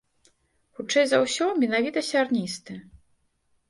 Хутчэй за ўсё, менавіта сярністы.